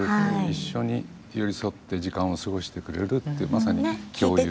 一緒に寄り添って時間を過ごしてくれるって、まさに共有。